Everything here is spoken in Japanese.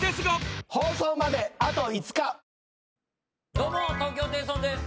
どうも、東京ホテイソンです。